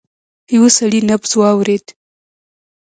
يو سړی نبض واورېد.